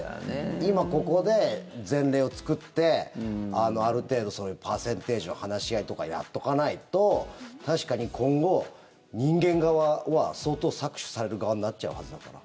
今ここで、前例を作ってある程度、パーセンテージの話し合いとかやっとかないと確かに今後、人間側は相当、搾取される側になっちゃうはずだから。